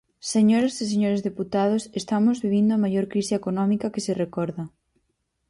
Señoras e señores deputados, estamos vivindo a maior crise económica que se recorda.